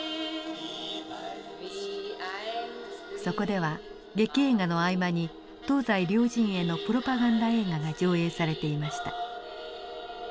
そこでは劇映画の合間に東西両陣営のプロパガンダ映画が上映されていました。